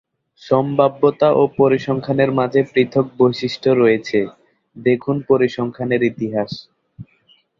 সম্ভাব্যতা ও পরিসংখ্যানের মাঝে পৃথক বৈশিষ্ট্য রয়েছে; দেখুন পরিসংখ্যানের ইতিহাস।